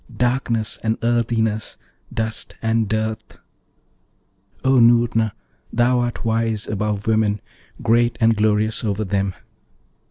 Darkness and earthiness, Dust and dearth! O Noorna, thou art wise above women: great and glorious over them.'